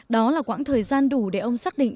đó là quãng thời gian đủ để ông xác định